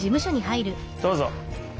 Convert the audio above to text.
どうぞ。